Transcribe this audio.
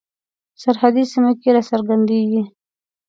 سرحدي سیمه کې را څرګندیږي.